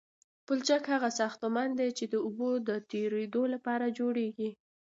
پلچک هغه ساختمان دی چې د اوبو د تیرېدو لپاره جوړیږي